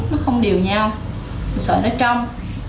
nó không đều nhau sợi nó trong